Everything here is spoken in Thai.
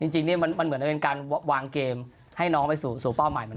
จริงนี่มันเหมือนจะเป็นการวางเกมให้น้องไปสู่เป้าหมายเหมือน